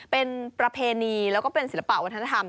เป็นประเพณีแล้วก็เป็นศิลปะวัฒนธรรม